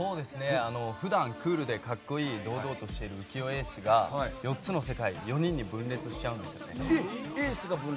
普段、クールで格好よく堂々としている浮世英寿が４つの世界４人に分裂しちゃうんです。